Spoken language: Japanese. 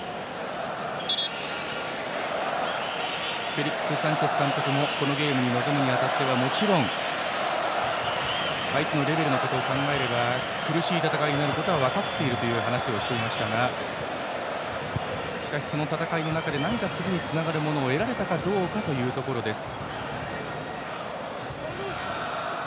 フェリックス・サンチェス監督もこのゲームに臨むにあたってはもちろん相手のレベルのことを考えれば苦しい戦いになることは分かっているという話をしていましたがしかし、その戦いの中で何か次につながるものを得られたかどうかというところです。